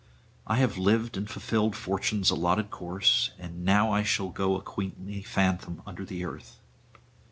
I have lived and fulfilled Fortune's allotted course; and now shall I go a queenly phantom under the earth.